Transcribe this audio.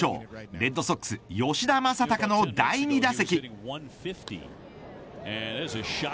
レッドソックス吉田正尚の第２打席。